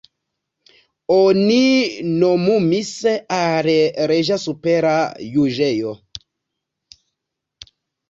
Oni nomumis lin al reĝa supera juĝejo.